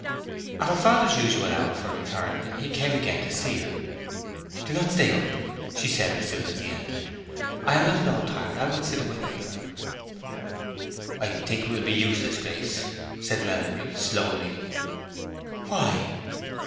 At her father's usual hour for retiring he again came in to see her. "Do not stay up," she said, as soon as he entered. "I am not at all tired. I will sit up for him." "I think it will be useless, Grace," said Melbury, slowly. "Why?"